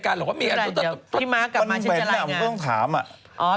ว่าฉันมีรายการ